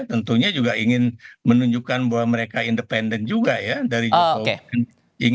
tentunya juga ingin menunjukkan bahwa mereka independen juga ya dari jokowi